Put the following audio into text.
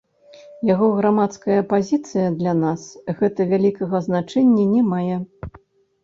Яго грамадская пазіцыя для нас гэта вялікага значэння не мае.